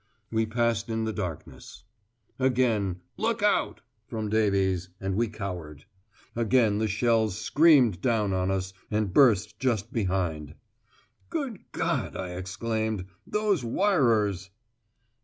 We passed in the darkness. Again "Look out!" from Davies, and we cowered. Again the shells screamed down on us, and burst just behind. "Good God!" I exclaimed, "those wirers!"